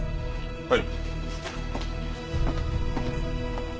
はい。